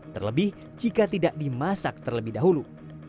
terlebih jika tidak dimasak terlebih dahulu